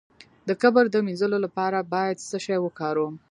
د کبر د مینځلو لپاره باید څه شی وکاروم؟